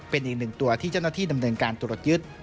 เป็นอีกหนึ่งตัวที่เจ้าหน้าที่ดำเนินการตรวจยึด